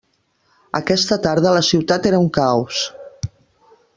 Aquesta tarda la ciutat era un caos.